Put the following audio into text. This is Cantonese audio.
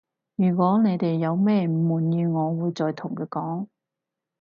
如果你哋有咩唔滿意我會再同佢講